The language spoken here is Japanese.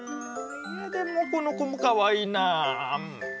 いやでもこの子もかわいいなあ。